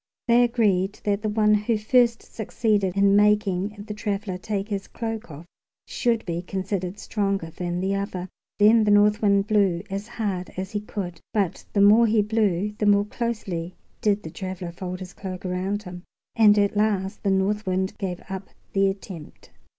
They agreed that the one who first succeeded in making the traveler take his cloak off should be considered stronger than the other. Then the North Wind blew as hard as he could, but the more he blew the more closely did the traveler fold his cloak around him; and at last the North Wind gave up the attempt.